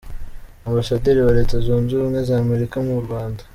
Ambasaderi wa Leta Zunze Ubumwe za Amerika mu Rwanda.